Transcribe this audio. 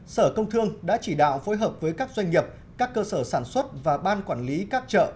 sở công thương đã chỉ đạo phối hợp với các doanh nghiệp các cơ sở sản xuất và ban quản lý các chợ